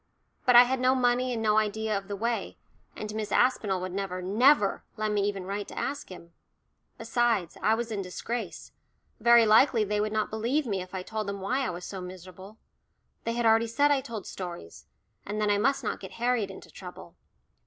But I had no money and no idea of the way, and Miss Aspinall would never, never let me even write to ask him. Besides, I was in disgrace, very likely they would not believe me if I told them why I was so miserable; they had already said I told stories, and then I must not get Harriet into trouble.